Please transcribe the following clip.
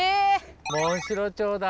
モンシロチョウだ。